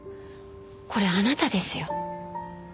これあなたですよ。